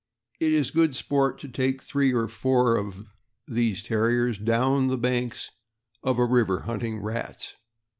It is good sport to take three or four of these Terriers down the banks of a river hunting rats.